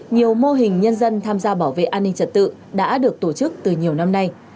nhiều mô hình nhân dân tham gia bảo vệ an ninh trật tự đã được tổ chức từ nhiều năm nay